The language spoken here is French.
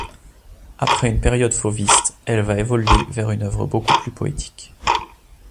Après une période fauviste, elle va évoluer vers une œuvre beaucoup plus poétique.